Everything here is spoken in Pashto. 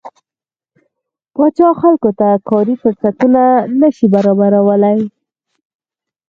پاچا خلکو ته کاري فرصتونه نشي برابرولى.